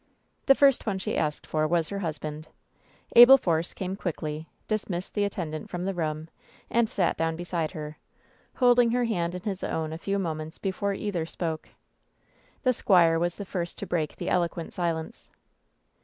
The first one she asked for was her husband. Abel Force came quickly, dismissed the attendant from the room, and sat down beside her, holding her hand in his own a few moments before either spoke. The squire was the first to break the eloquent silence.